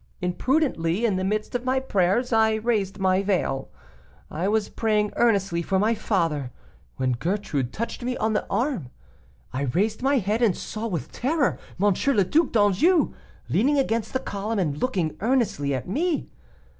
Imprudently, in the midst of my prayers, I raised my veil. I was praying earnestly for my father, when Gertrude touched me on the arm. I raised my head, and saw with terror M. le Duc d'Anjou leaning against the column, and looking earnestly at me.